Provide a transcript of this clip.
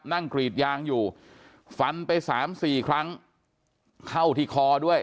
กรีดยางอยู่ฟันไปสามสี่ครั้งเข้าที่คอด้วย